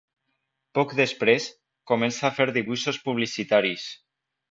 Poc després, comença a fer dibuixos publicitaris.